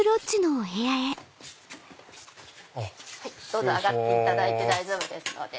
どうぞ上がっていただいて大丈夫ですので。